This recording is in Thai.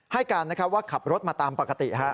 ให้การว่าขับรถมาตามปกติ